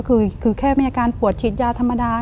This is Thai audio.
คือแค่มีอาการปวดฉีดยาธรรมดา